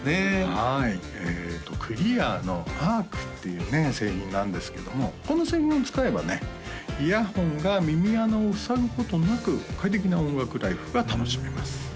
はいえっとＣｌｅｅｒのＡＲＣっていうね製品なんですけどもこの製品を使えばねイヤフォンが耳穴を塞ぐことなく快適な音楽ライフが楽しめます